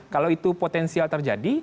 kalau itu potensial terjadi